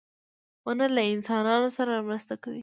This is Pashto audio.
• ونه له انسانانو سره مرسته کوي.